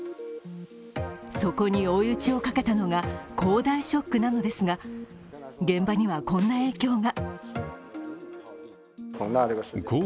そこに追い打ちをかけたのが恒大ショックなのですが現場にはこんな影響が。